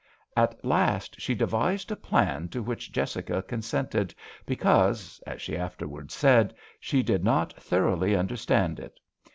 At last she devised a plan to which Jessica consented because, as she afterwards said, she did not thoroughly understand it.